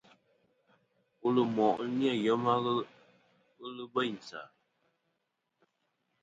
Wul ɨ moʼ ɨ nà yema, ghelɨ bêynsì a.